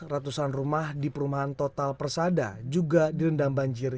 ratusan rumah di perumahan total persada juga direndam banjir